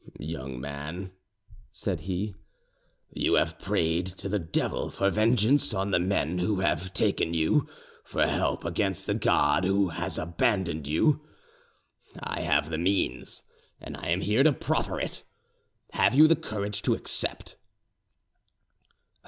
"Young man," said he, "you have prayed to the devil for vengeance on the men who have taken you, for help against the God who has abandoned you. I have the means, and I am here to proffer it. Have you the courage to accept?"